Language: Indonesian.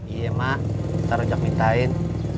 iya mak ntar ojak mintain